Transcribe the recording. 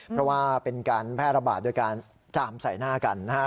เพราะว่าเป็นการแพร่ระบาดโดยการจามใส่หน้ากันนะฮะ